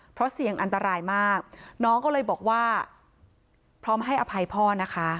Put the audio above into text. เพราะเสี่ยงอันตรายมากน้องก็เลยบอกว่าพร้อมให้อภัยพ่อนะคะ